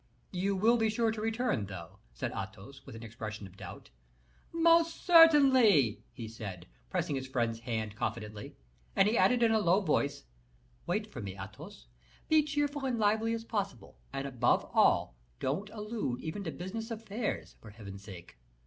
"You will be sure to return, though?" said Athos, with an expression of doubt. "Most certainly," he said, pressing his friend's hand confidently; and he added, in a low voice, "Wait for me, Athos; be cheerful and lively as possible, and above all, don't allude even to business affairs, for Heaven's sake."